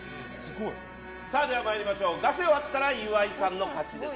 ガセを当てたら岩井さんの勝ちです。